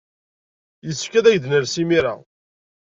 Yessefk ad ak-d-nales imir-a.